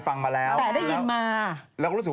แต่ได้ยินมา